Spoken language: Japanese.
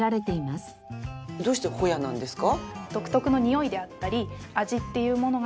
どうしてホヤなんですか？